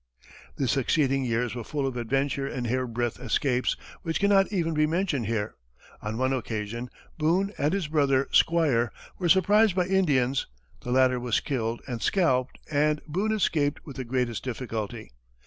The succeeding years were full of adventure and hair breadth escapes, which cannot even be mentioned here. On one occasion, Boone and his brother, Squire, were surprised by Indians; the latter was killed and scalped and Boone escaped with the greatest difficulty.